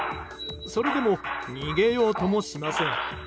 それでも逃げようともしません。